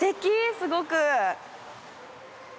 すごく。